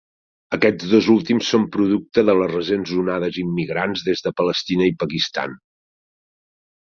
Aquests dos últims són producte de les recents onades immigrants des de Palestina i Pakistan.